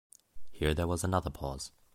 Here there was another pause.